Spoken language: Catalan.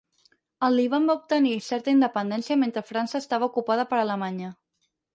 El Líban va obtenir certa independència mentre França estava ocupada per Alemanya.